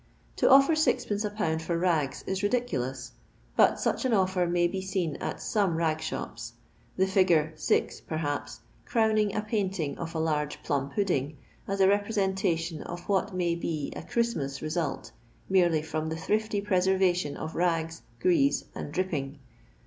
To offer Gd, a pound for rags is ridicu I Ions, bnt such an offer may be seen at some rng I shops, the figure 6, perhaps, crowning a {tainting \ of a large plum pudding, as a representation of what may be a Christmas result, merely from the I thrifty preservation of rags, grease, and dripping.